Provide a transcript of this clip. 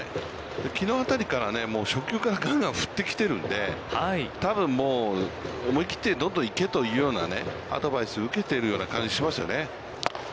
きのうあたりから、初球からがんがん振ってきているので、多分もう、思い切ってどんどん行けというようなアドバイスを受けているような感じしますよね。